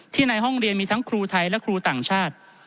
ในห้องเรียนมีทั้งครูไทยและครูต่างชาติ